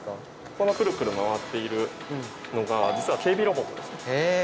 このクルクル回っているのが実は警備ロボットです。